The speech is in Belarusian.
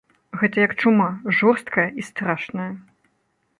Гэта як чума, жорсткая і страшная.